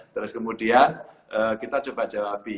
terus kemudian kita coba jawabi